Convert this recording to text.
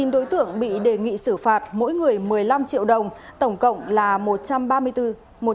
chín đối tượng bị đề nghị xử phạt mỗi người một mươi năm triệu đồng tổng cộng là một trăm ba mươi năm triệu đồng